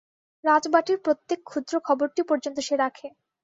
রাজবাটীর প্রত্যেক ক্ষুদ্র খবরটি পর্যন্ত সে রাখে।